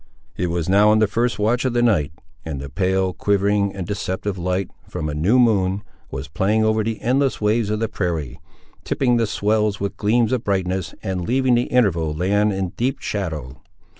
It was now in the first watch of the night; and the pale, quivering, and deceptive light, from a new moon, was playing over the endless waves of the prairie, tipping the swells with gleams of brightness, and leaving the interval land in deep shadow.